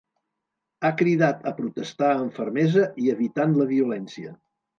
Ha cridat a protestar amb fermesa i evitant la violència.